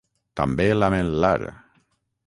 També lamel·lar.